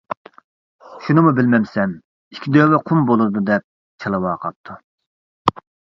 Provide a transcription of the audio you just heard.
شۇنىمۇ بىلمەمسەن؟ ئىككى دۆۋە قۇم بولىدۇ، -دەپ چالۋاقاپتۇ.